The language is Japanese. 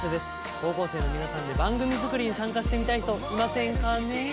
高校生の皆さんで番組作りに参加してみたい人いませんかねえ？